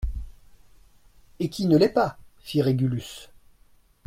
Et qui ne l'est pas ! fit Régulus.